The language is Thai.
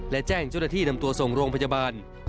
และแจ้งเจ้าหน้าที่นำตัวส่งโรงพยาบาล